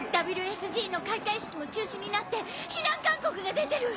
ＷＳＧの開会式も中止になって避難勧告が出てる！